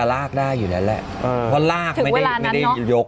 สุดท้ายสุดท้าย